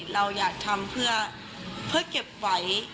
เราอยากทำเพื่อเก็บไว้